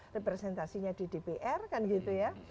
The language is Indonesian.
representasinya di dpr kan gitu ya